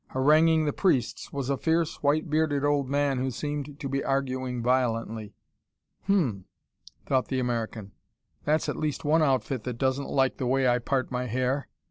Haranguing the priests was a fierce, white bearded old man who seemed to be arguing violently. "Hum!" thought the American. "That's at least one outfit that doesn't like the way I part my hair.